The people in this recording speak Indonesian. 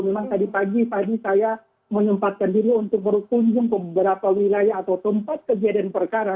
memang tadi pagi pagi saya menyempatkan diri untuk berkunjung ke beberapa wilayah atau tempat kejadian perkara